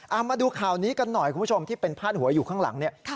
เอามาดูข่าวนี้กันหน่อยคุณผู้ชมที่เป็นพาดหัวอยู่ข้างหลังเนี่ย